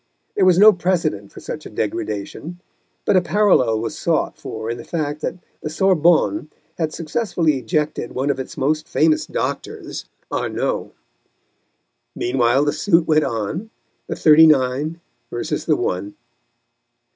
There was no precedent for such a degradation, but a parallel was sought for in the fact that the Sorbonne had successfully ejected one of its most famous doctors, Arnauld. Meanwhile the suit went on, the Thirty nine versus the One.